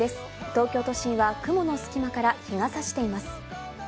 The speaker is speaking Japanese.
東京都心は雲の隙間から日が差しています。